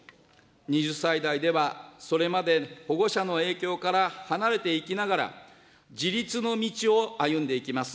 ２０歳代では、それまで保護者の影響から離れていきながら、自立の道を歩んでいきます。